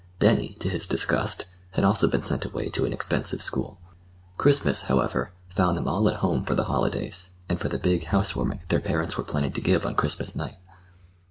Benny, to his disgust, had also been sent away to an expensive school. Christmas, however, found them all at home for the holidays, and for the big housewarming that their parents were planning to give on Christmas night.